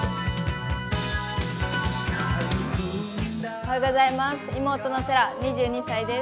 おはようございます。